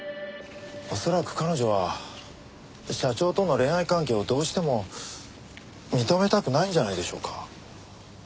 恐らく彼女は社長との恋愛関係をどうしても認めたくないんじゃないでしょうか。